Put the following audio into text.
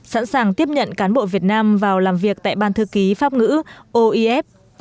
sẵn sàng tiếp nhận cán bộ việt nam vào làm việc tại ban thư ký pháp ngữ oef